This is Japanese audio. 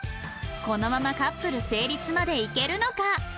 このままカップル成立までいけるのか？